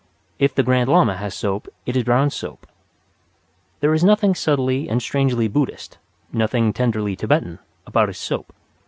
If the Grand Lama has soap it is Brown's soap. There is nothing subtly and strangely Buddhist, nothing tenderly Tibetan, about his soap.